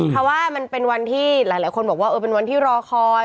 เพราะว่ามันเป็นวันที่หลายคนบอกว่าเป็นวันที่รอคอย